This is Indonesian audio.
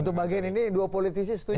untuk bagian ini dua politisi setuju